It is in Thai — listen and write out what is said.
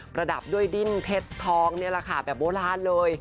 ระดับด้วยดิ้นเพชรทองนี่แหละค่ะแบบโบราณเลย